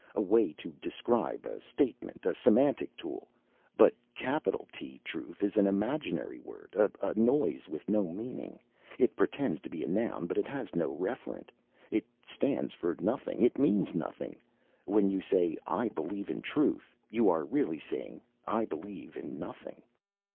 A way to describe a statement. A semantic tool. But capital T Truth is an imaginary word, a noise with no meaning. It pretends to be a noun but it has no referent. It stands for nothing. It means nothing. When you say 'I believe in Truth' you are really saying 'I believe in nothing'."